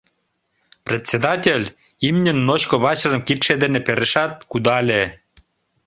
— Председатель имньын ночко вачыжым кидше дене перышат, кудале.